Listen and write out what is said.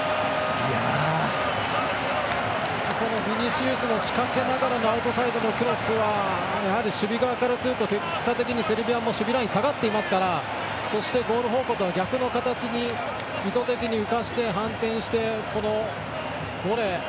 ビニシウスの仕掛けながらのアウトサイドのクロスは守備側からすると結果的にセルビアが下がっていますからそして、ゴール方向とは逆の形に意図的に浮かして反転して、このボレー。